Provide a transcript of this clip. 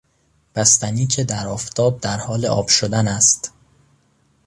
بستنی که در آفتاب در حال آب شدن است